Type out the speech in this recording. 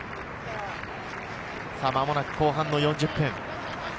間もなく後半の４０分。